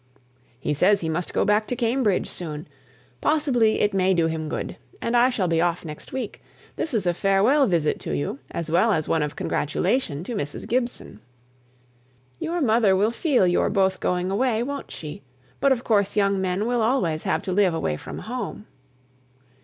"He says he must go back to Cambridge soon. Possibly it may do him good; and I shall be off next week. This is a farewell visit to you, as well as one of congratulation to Mrs. Gibson." "Your mother will feel your both going away, won't she? But of course young men will always have to live away from home."